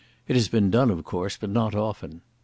It has been done of course, but not often....